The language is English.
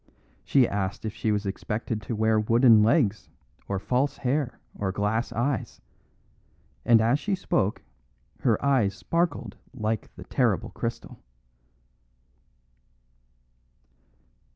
She asked if she was expected to wear wooden legs or false hair or glass eyes; and as she spoke her eyes sparkled like the terrible crystal.